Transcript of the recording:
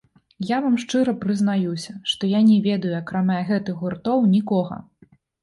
Я вам шчыра прызнаюся, што я не ведаю, акрамя гэтых гуртоў, нікога.